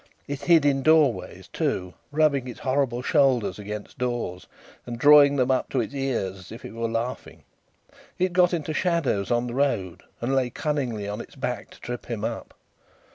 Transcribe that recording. It hid in doorways too, rubbing its horrible shoulders against doors, and drawing them up to its ears, as if it were laughing. It got into shadows on the road, and lay cunningly on its back to trip him up.